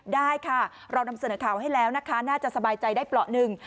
ได้ค่ะเรานำเสนอข่าวให้แล้วนะคะน่าจะสบายใจได้เปราะหนึ่ง